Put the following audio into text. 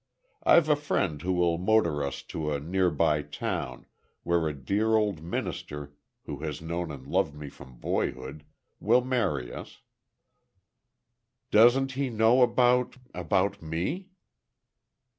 I've a friend who will motor us to a nearby town, where a dear old minister, who has known and loved me from boyhood, will marry us." "Doesn't he know about—about me?"